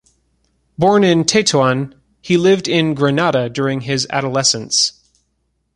Born in Tétouan, he lived in Grenada during his adolescence.